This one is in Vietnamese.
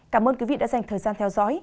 cảm ơn quý vị đã dành thời gian theo dõi